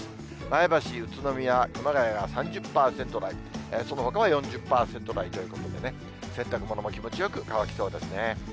前橋、宇都宮、熊谷は３０％台、そのほかは４０％台ということでね、洗濯物も気持ちよく乾きそうですね。